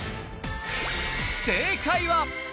正解は。